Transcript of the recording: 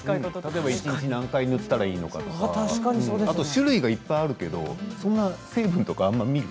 一日に何回塗ったらいいのかとか種類がいっぱいあるけど成分とか見る？